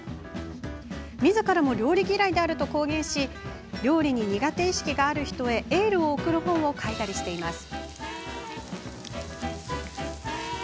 みずからも料理嫌いであると公言し料理に苦手意識がある人へエールを送る本を書いたりしています。